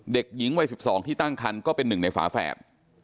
เด็กหญิงวัย๑๒ที่ตั้งคันก็เป็นหนึ่งในฝาแฝด